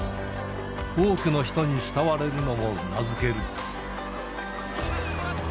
多くの人に慕われるのもうなずける。